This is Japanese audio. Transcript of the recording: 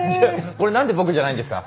これ何で僕じゃないんですか？